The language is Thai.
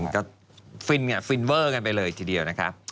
ก็ฟินเวอร์กันไปเลยทีเดียว